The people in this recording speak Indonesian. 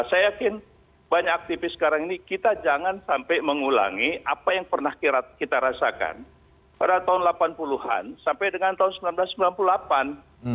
saya yakin banyak aktivis sekarang ini kita jangan sampai mengulangi apa yang pernah kita rasakan pada tahun delapan puluh an sampai dengan tahun seribu sembilan ratus sembilan puluh delapan